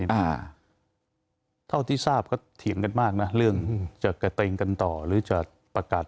อ่าเท่าที่ทราบก็เถียงกันมากนะเรื่องจะกระเตงกันต่อหรือจะประกาศ